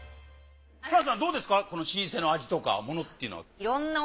どうですか老舗の味とかものっていうのは。